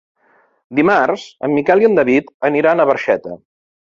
Dimarts en Miquel i en David aniran a Barxeta.